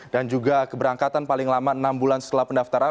dan juga keberangkatan paling lama enam bulan setelah pendaftaran